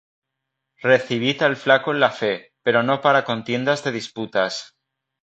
Recibid al flaco en la fe, pero no para contiendas de disputas.